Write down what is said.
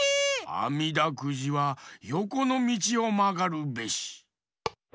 あみだくじはよこのみちをまがるべし！